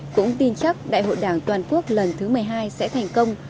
cũng tin chắc đại hội đảng toàn quốc lần thứ một mươi hai sẽ thành công